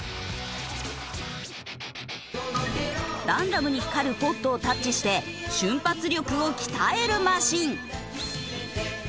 ランダムに光るポッドをタッチして瞬発力を鍛えるマシン。